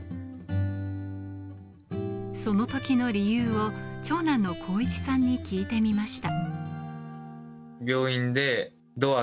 その時の理由を長男の光一さんに聞いてみました。